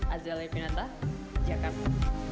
azaleh pinata jakarta